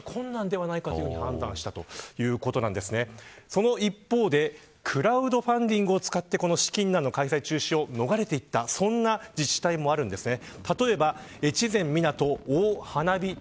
その一方でクラウドファンディングを使って資金難の開催中止を逃れていったそんな自治体もあるんですね。